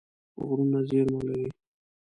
غرونه زیرمه لري.